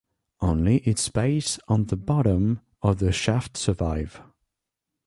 Only its base and the bottom of the shaft survive.